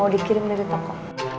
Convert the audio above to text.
mau dikirim dari toko